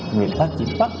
người ta chỉ bắt